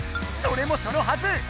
それもそのはず